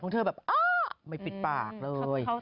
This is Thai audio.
ของเธอแบบอ๊าาาไม่ปิดปากเลย